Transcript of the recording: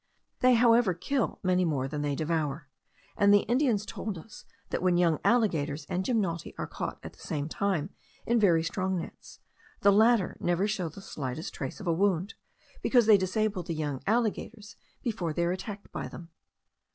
They, however, kill many more than they devour: and the Indians told us, that when young alligators and gymnoti are caught at the same time in very strong nets, the latter never show the slightest trace of a wound, because they disable the young alligators before they are attacked by them.